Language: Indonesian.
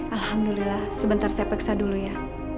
alhamdulillah sebentar saya periksa dulu ya